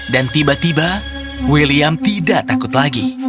dan tiba tiba william tidak takut lagi